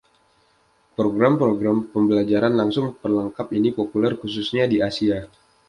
Program-program pembelajaran langsung pelengkap ini populer khususnya di Asia.